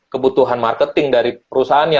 kebutuhan marketing dari perusahaannya